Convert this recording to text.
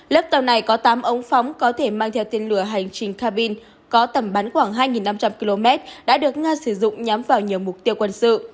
lớp tàu này có tám ống phóng có thể mang theo tên lửa hành trình cabin có tầm bắn khoảng hai năm trăm linh km đã được nga sử dụng nhắm vào nhiều mục tiêu quân sự